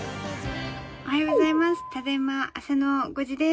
おはようございます